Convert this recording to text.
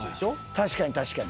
確かに確かに。